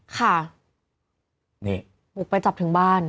ค่ะนี่บุกไปจับถึงบ้าน